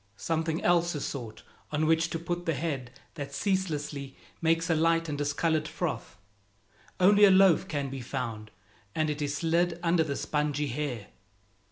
Something else is sought on which to put the head that ceaselessly makes a light and discolored froth. Only a loaf can be found, and it is slid under the spongy hair.